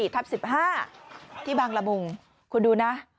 ทับ๑๕ที่บางละมุงคุณดูนะ